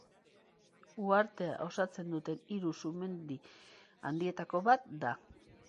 Uhartea osatzen duten hiru sumendi handietako bat da.